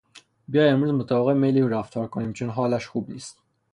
بیا امروز مطابق میل او رفتار کنیم چون حالش خوب نیست.